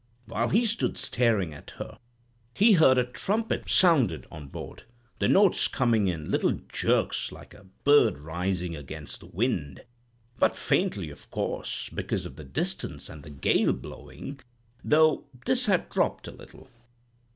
While he stood staring at her, he heard a trumpet sounded on board, the notes coming in little jerks, like a bird rising against the wind; but faintly, of course, because of the distance and the gale blowing—though this had dropped a little.